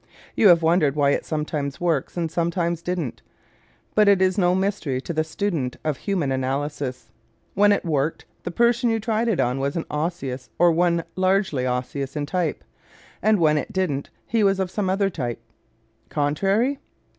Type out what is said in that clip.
You have wondered why it sometimes worked and sometimes didn't, but it is no mystery to the student of Human Analysis. When it worked, the person you tried it on was an Osseous or one largely osseous in type; and when it didn't he was of some other type. "Contrary?"